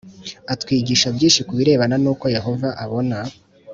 atwigisha byinshi ku birebana n uko Yehova abona